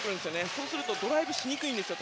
そうするとドライブしにくいんですよ。